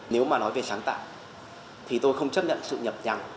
nếu mà nói về sáng tạo thì tôi không chấp nhận sự nhập nhằng